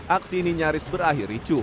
aksi ini nyaris berakhir ricu